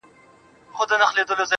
گــــوره زمــا د زړه ســـكــــونـــــه